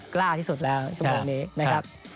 กล้าที่สุดแล้วชั่วโมงนี้นะครับ